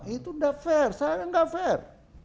itu sudah fair saya tidak fair